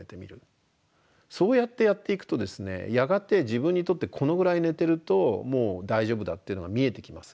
そうやってやっていくとですねやがて自分にとってこのぐらい寝てるともう大丈夫だっていうのが見えてきます。